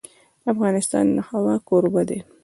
افغانستان د هوا کوربه دی.